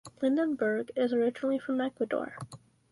Lindenberg is originally from Ecuador.